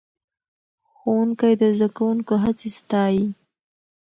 ښوونکی د زده کوونکو هڅې ستایي